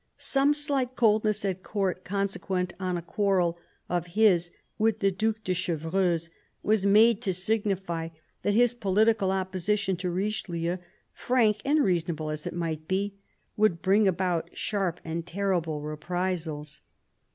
Some slight coldness at Court, consequent on a quarrel of his with the Due de Chevreuse, was made to signify that his political opposition to Richelieu, frank and reasonable as it might be, would bring about sharp and terrible reprisals.